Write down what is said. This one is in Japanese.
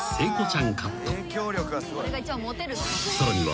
［さらには］